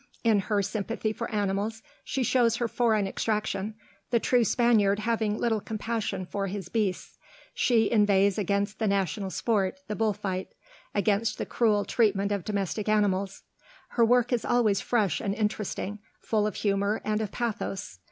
In her sympathy for animals she shows her foreign extraction, the true Spaniard having little compassion for his beasts. She inveighs against the national sport, the bull fight; against the cruel treatment of domestic animals. Her work is always fresh and interesting, full of humor and of pathos.